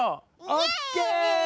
オッケー！